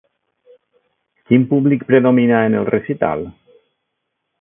Quin públic predominà en el recital?